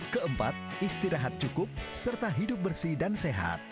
keempat istirahat cukup serta hidup bersih dan sehat